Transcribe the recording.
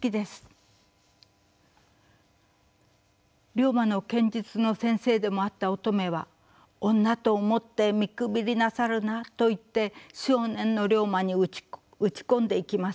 竜馬の剣術の先生でもあった乙女は「女と思って見くびりなさるな」と言って少年の竜馬に打ち込んでいきます。